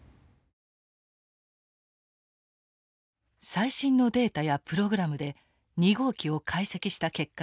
最新のデータやプログラムで２号機を解析した結果です。